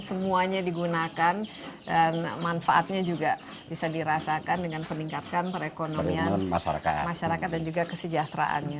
semuanya digunakan dan manfaatnya juga bisa dirasakan dengan meningkatkan perekonomian masyarakat dan juga kesejahteraannya